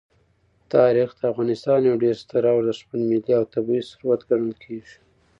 تاریخ د افغانستان یو ډېر ستر او ارزښتمن ملي او طبعي ثروت ګڼل کېږي.